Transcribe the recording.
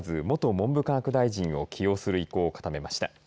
文部科学大臣を起用する意向を固めました。